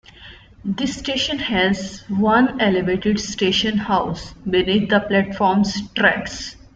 This station has one elevated station house beneath the platforms tracks.